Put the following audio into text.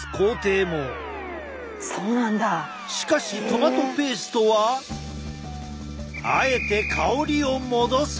しかしトマトペーストはあえて香りを戻さない！